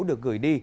được gửi đi